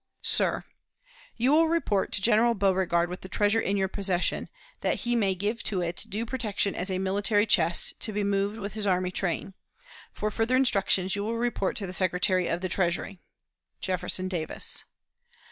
_ "SIR: You will report to General Beauregard with the treasure in your possession, that he may give to it due protection as a military chest to be moved with his army train. For further instructions you will report to the Secretary of the Treasury. "JEFFERSON DAVIS.